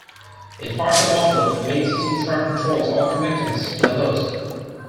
In partial offload, the main system stack controls all connections to the host.